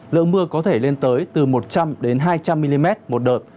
lượng mưa có thể lên tới từ một trăm linh hai trăm linh mm một đợt